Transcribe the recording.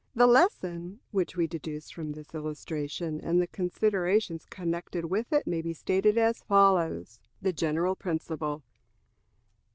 The lesson which we deduce from this illustration and the considerations connected with it may be stated as follows: The General Principle.